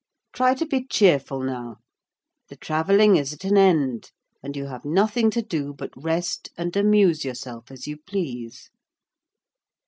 Try to be cheerful now; the travelling is at an end, and you have nothing to do but rest and amuse yourself as you please."